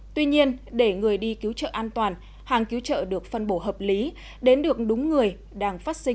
tuy nhiên để người đi cứu trợ an toàn hàng cứu trợ được phân bổ hợp lý đến được đúng người